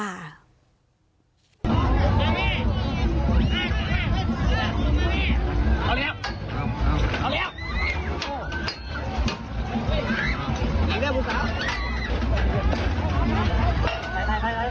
นี่นะครับเอาคืนตรงนี้น่ะ